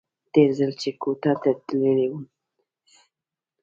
تېر ځل چې کوټې ته تللى و.